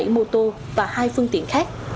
ba trăm sáu mươi bảy mô tô và hai phương tiện khác